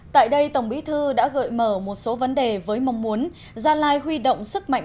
tại đây tổng bí thư đã gợi mở một số vấn đề với mong muốn